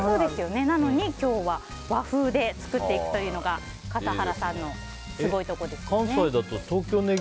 なのに今日は和風で作っていくというのが笠原さんのすごいところですね。